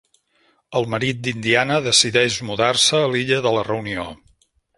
El marit d'Indiana decideix mudar-se a l'Illa de la Reunió.